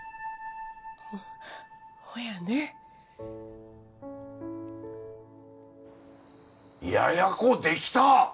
ほやね・やや子できた！？